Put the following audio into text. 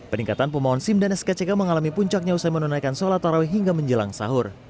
peningkatan pemohon sim dan skck mengalami puncaknya usai menunaikan sholat tarawih hingga menjelang sahur